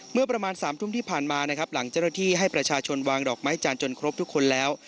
เมื่อประมาณ๓ทุ่มที่ผ่านมานะครับหลังเจ้าหน้าที่ให้ประชาชนวางดอกไม้จันทร์จนครบทุกคนแล้ว